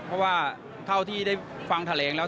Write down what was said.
เพราะว่าเท่าที่ได้ฟังแถลงแล้ว